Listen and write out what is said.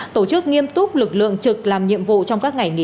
tổ chức nghiêm túc lực lượng trực làm nhiệm vụ trong các ngày nghỉ